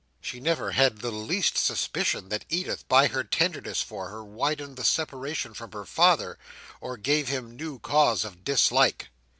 She never had the least suspicion that Edith by her tenderness for her widened the separation from her father, or gave him new cause of dislike.